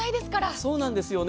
そうなんですよね。